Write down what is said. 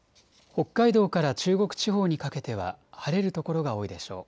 北海道から中国地方にかけては晴れる所が多いでしょう。